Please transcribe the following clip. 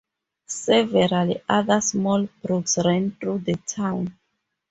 Several other small brooks run through the town.